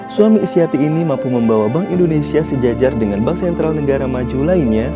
suami isiati ini mampu membawa bank indonesia sejajar dengan bank sentral negara maju lainnya